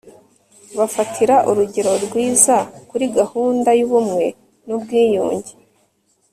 bafatira urugero rwiza kuri gahunda y'ubumwe n'ubwiyunge